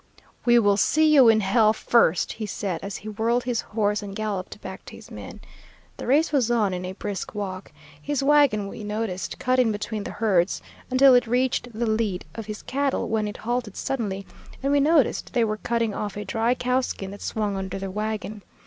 "'We will see you in hell first!' he said, as he whirled his horse and galloped back to his men. The race was on in a brisk walk. His wagon, we noticed, cut in between the herds, until it reached the lead of his cattle, when it halted suddenly, and we noticed that they were cutting off a dry cowskin that swung under the wagon.